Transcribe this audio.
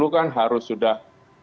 kan harus sudah